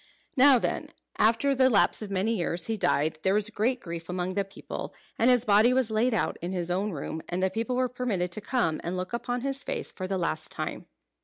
Now when, after the lapse of many years, he died, there was great grief among the people, and his body was laid out in his own room, and the people were permitted to come and look upon his face for the last time.